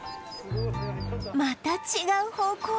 また違う方向へ